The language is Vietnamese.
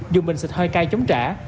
dùng bình xịt hơi cay chống trả